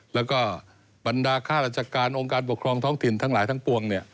แล้วก็บรรดาค่าราชการองค์การปกครองท้องถิ่นทั้งหลายทั้งปวง